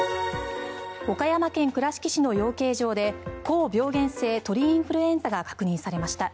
岡山県倉敷市の養鶏場で高病原性鳥インフルエンザが確認されました。